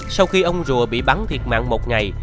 sau khi ông rùa bị bắn thiệt mạng một ngày